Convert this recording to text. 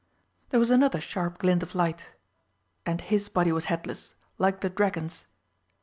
There was another sharp glint of light and his body was headless, like the dragon's.